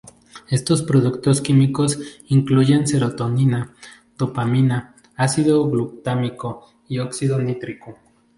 Estos productos químicos incluyen serotonina, dopamina, ácido glutámico y óxido nítrico.